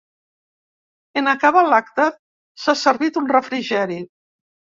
En acabar l’acte, s’ha servit un refrigeri.